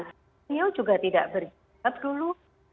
beliau juga tidak berjagat dulu